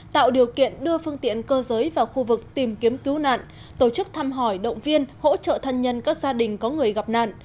tạo điều kiện đưa phương tiện cơ giới vào khu vực tìm kiếm cứu nạn tổ chức thăm hỏi động viên hỗ trợ thân nhân các gia đình có người gặp nạn